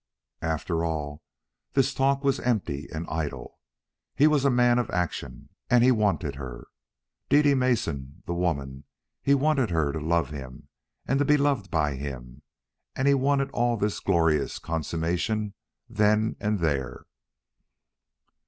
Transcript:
After all, this talk was empty and idle. He was a man of action, and he wanted her, Dede Mason, the woman; he wanted her to love him and to be loved by him; and he wanted all this glorious consummation then and there.